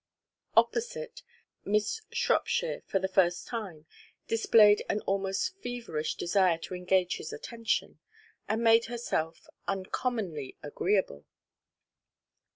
Opposite, Miss Shropshire, for the first time, displayed an almost feverish desire to engage his attention, and made herself uncommonly agreeable.